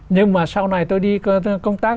nhưng mà sau này tôi đi công tác